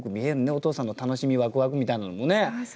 お父さんの楽しみワクワクみたいなのもね。